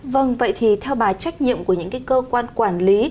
vâng vậy thì theo bà trách nhiệm của những cái cơ quan quản lý